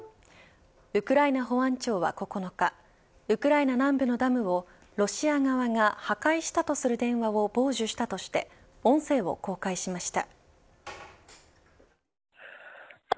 ウクライナ保安庁は９日ウクライナ南部のダムをロシア側が破壊したとする電話を傍受したとして音声を公開しました。